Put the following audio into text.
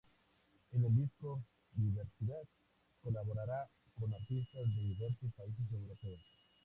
En el disco "Diversidad" colaborará con artistas de diversos países europeos.